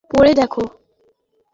আংটিটা পড়ে দেখো।